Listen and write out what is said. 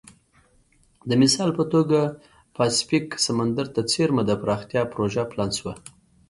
د مثال په توګه پاسفیک سمندر ته څېرمه د پراختیا پروژه پلان شوه.